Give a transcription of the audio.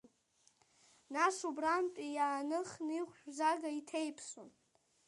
Нас, убрантәи иааныхны ихәшәзага иҭеиԥсон.